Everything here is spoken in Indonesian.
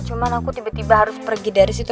cuma aku tiba tiba harus pergi dari situ